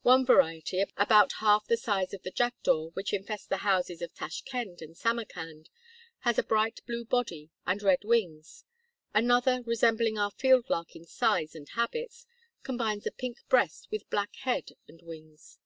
One variety, about half the size of the jackdaw which infests the houses of Tashkend and Samarkand, has a bright blue body and red wings; another, resembling our field lark in size and habits, combines a pink breast with black head and wings.